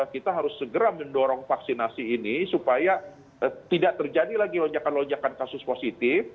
kita harus segera mendorong vaksinasi ini supaya tidak terjadi lagi lonjakan lonjakan kasus positif